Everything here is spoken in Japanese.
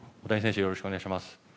よろしくお願いします。